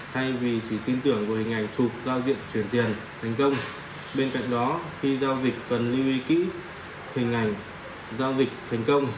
thay vì chỉ tin tưởng về hình ảnh thuộc giao diện chuyển tiền thành công bên cạnh đó khi giao dịch cần lưu ý kỹ hình ảnh giao dịch thành công